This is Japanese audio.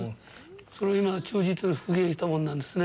それを今、忠実に復元したものなんですね。